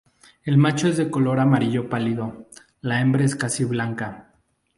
El macho es de color amarillo pálido; la hembra es casi blanca.